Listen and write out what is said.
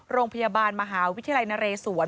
โรงพยาบาลมหาวิทยาลัยนเรศวร